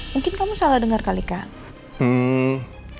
mungkin kamu salah denger kali kak